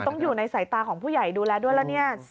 ต้องอยู่ในสายตาของผู้ใหญ่ดูแลด้วยแล้วเนี่ย